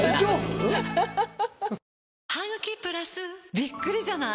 びっくりじゃない？